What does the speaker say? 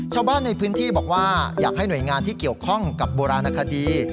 ชาวบ้านในพื้นที่บอกว่าอยากให้หน่วยงานที่เกี่ยวข้องกับโบราณคดี